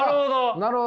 なるほど。